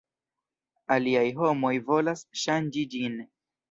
Aliaj homoj volas ŝanĝi ĝin.